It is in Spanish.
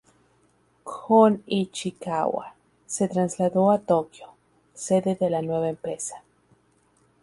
Kon Ichikawa se trasladó a Tokio, sede de la nueva empresa.